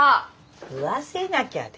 食わせなきゃ出て。